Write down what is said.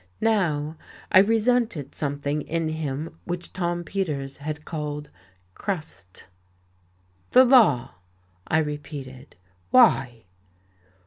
Now I resented something in him which Tom Peters had called "crust." "The law!" I repeated. "Why?"